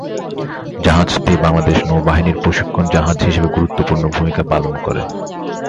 জাহাজটি বাংলাদেশ নৌবাহিনীর প্রশিক্ষণ জাহাজ হিসেবে গুরুত্বপূর্ণ ভূমিকা পালন করে।